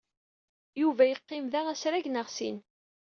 Yuba yeqqim da asrag neɣ sin.